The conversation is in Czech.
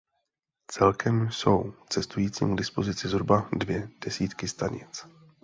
Celkem jsou cestujícím k dispozici zhruba dvě desítky stanic.